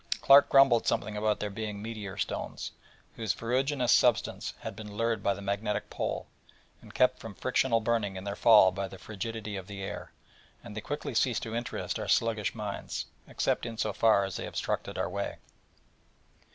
Clark grumbled something about their being meteor stones, whose ferruginous substance had been lured by the magnetic Pole, and kept from frictional burning in their fall by the frigidity of the air: and they quickly ceased to interest our sluggish minds, except in so far as they obstructed our way.